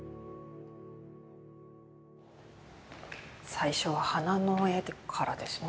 最初は花の絵からですね。